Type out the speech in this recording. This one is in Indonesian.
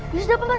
ya sudah paman